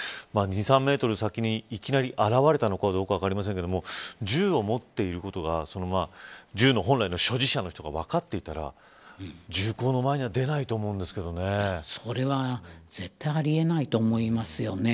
２、３メートル先にいきなり現れたのか分かりませんが銃を持っていることが銃の本来の所持者の人が分かっていたら銃口の前にはそれは、絶対ありえないと思いますよね。